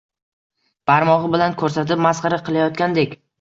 Barmog‘i bilan ko‘rsatib masxara qilayotgandek